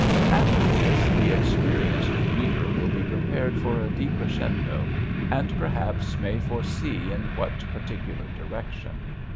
After this the experienced reader will be prepared for a decrescendo, and perhaps may foresee in what particular direction.